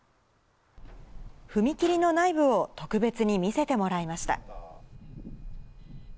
踏切の内部を特別に見せてもらいました。